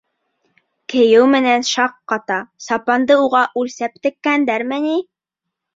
Кейеү менән шаҡ ҡата, сапанды уға үлсәп теккәндәрме ни!